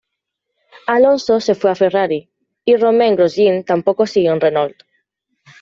Alonso se fue a Ferrari y Romain Grosjean tampoco siguió en Renault.